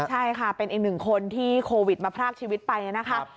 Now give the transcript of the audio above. ใช่ค่ะเป็นอีกหนึ่งคนที่โควิดมาพรากชีวิตไปนะคะ